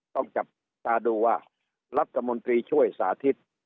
ต้องจับตาดูว่ารัฐมนตรีช่วยสาธิต